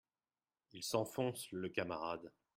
Il s’enfonce, le camarade.